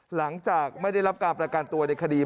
หลังจากไม่ได้รับการประกันตัวในคดี